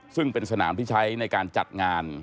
ซึ่งเป็นสนามที่ใช้ในการจัดงาน